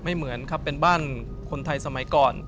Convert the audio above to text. เหมือนครับเป็นบ้านคนไทยสมัยก่อน